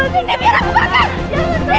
sini biar aku pake